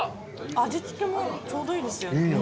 味付けもちょうどいいですよ。